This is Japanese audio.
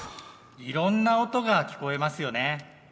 いろんな音が聞こえますよね。